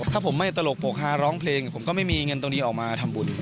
ถ้าผมไม่ตลกโปรกฮาร้องเพลงผมก็ไม่มีเงินตรงนี้ออกมาทำบุญ